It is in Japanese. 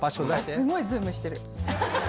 すごいズームしてる。